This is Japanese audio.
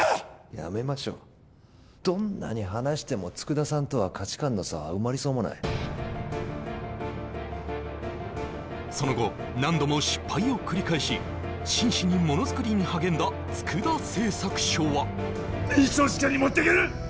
やめましょうどんなに話しても佃さんとは価値観の差は埋まりそうもないその後何度も失敗を繰り返し真摯にモノづくりに励んだ佃製作所は臨床試験に持ってける！